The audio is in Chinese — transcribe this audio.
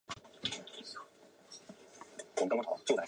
机身两旁的开放空间允许技师在飞行时自机舱爬出去维修引擎。